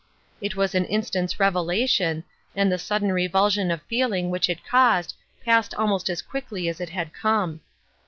It was an instant's revelation, and the sudden revulsion of feeling which it caused passed almost as quickly as it had come.